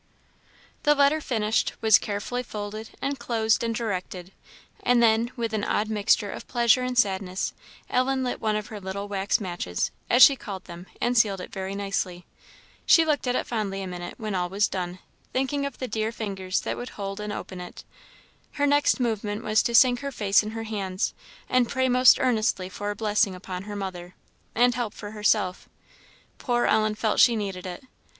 The letter finished, was carefully folded, enclosed, and directed; and then, with an odd mixture of pleasure and sadness, Ellen lit one of her little wax matches, as she called them, and sealed it very nicely. She looked at it fondly a minute when all was done, thinking of the dear fingers that would hold and open it; her next movement was to sink her face in her hands, and pray most earnestly for a blessing upon her mother, and help for herself poor Ellen felt she needed it.